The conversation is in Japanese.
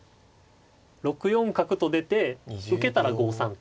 ６四角と出て受けたら５三桂。